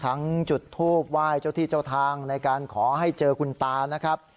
จุดทูบไหว้เจ้าที่เจ้าทางในการขอให้เจอคุณตานะครับ